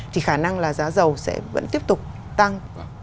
thì khả năng là giá dầu sẽ vẫn tiếp tục tăng